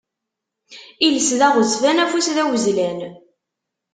Iles d aɣezfan, afus d awezlan.